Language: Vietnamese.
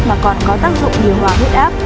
mà còn có tác dụng điều hòa huyết áp